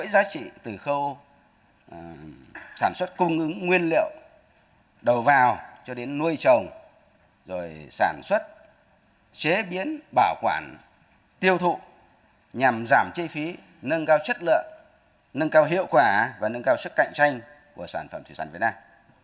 đầu vào cho đến nuôi trồng rồi sản xuất chế biến bảo quản tiêu thụ nhằm giảm chế phí nâng cao chất lượng nâng cao hiệu quả và nâng cao sức cạnh tranh của sản phẩm thủy sản việt nam